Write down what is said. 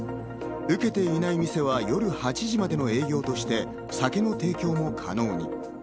受けていない店は夜８時までの営業として、酒の提供も可能に。